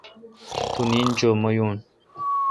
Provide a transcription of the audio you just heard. تو نیند چو مہ یون۔